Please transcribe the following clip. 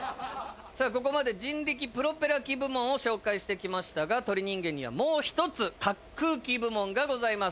さあここまで人力プロペラ機部門を紹介してきましたが『鳥人間』にはもう１つ滑空機部門がございます。